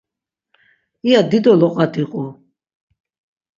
iya dido loqa diqu.